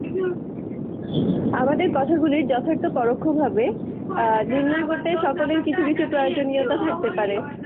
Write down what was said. আমাদের কথাগুলির যাথার্থ্য পরোক্ষভাবে নির্ণয় করতে এ-সকলের কিছু কিছু প্রয়োজনীয়তা থাকতে পারে।